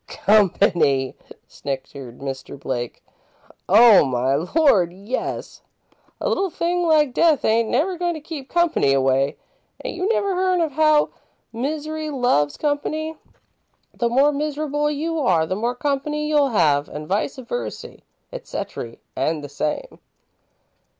"Company," snickered Mr. Blake, "oh, my Lord, yes! A little thing like death ain't never going to keep company away. Ain't you never hearn as how misery loves company? The more miserable you are the more company you'll have, an' vice versey, etcetery an' the same."